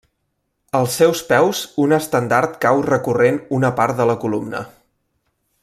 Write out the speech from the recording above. Als seus peus un estendard cau recorrent una part de la columna.